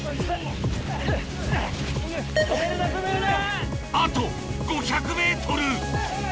止めるな止めるな！